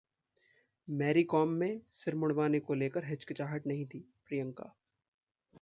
'Mary Kom' में सिर मुंड़वाने को लेकर हिचकिचाहट नहीं थी: प्रियंका